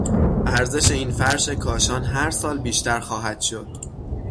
ارزش این فرش کاشان هر سال بیشتر خواهد شد.